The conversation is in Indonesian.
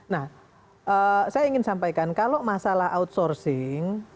nah saya ingin sampaikan kalau masalah outsourcing